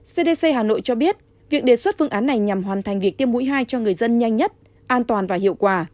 cdc hà nội cho biết việc đề xuất phương án này nhằm hoàn thành việc tiêm mũi hai cho người dân nhanh nhất an toàn và hiệu quả